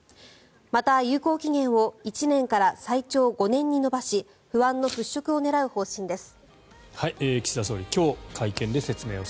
また、有効期限を１年から最長５年に延ばし不安の払しょくを狙う方針です。